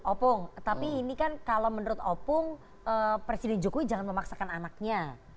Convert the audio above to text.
opung tapi ini kan kalau menurut opung presiden jokowi jangan memaksakan anaknya